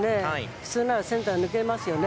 普通ならセンター抜けますよね。